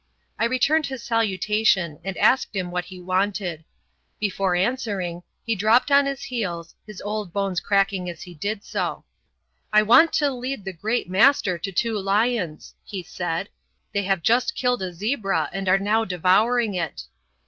I returned his salutation, and asked him what he wanted. Before answering, he dropped down on his heels, his old bones cracking as he did so. "I want to lead the Great Master to two lions," he said; "they have just killed a zebra and are now devouring it."